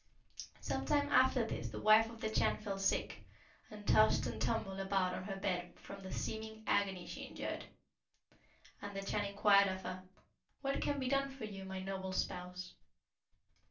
"Some time after this the wife of the Chan fell sick, and tossed and tumbled about on her bed from the seeming agony she endured. And the Chan inquired of her, 'What can be done for you, my noble spouse?'